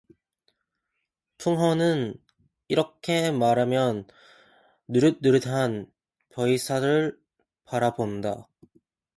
풍헌은 이렇게 말하며 누릇누릇한 벼이삭을 바라본다.